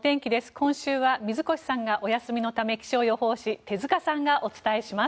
今週は水越さんがお休みのため気象予報士手塚さんがお伝えします。